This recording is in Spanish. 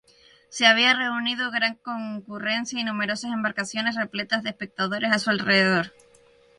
Se había reunido gran concurrencia y numerosas embarcaciones repletas de espectadores a su alrededor.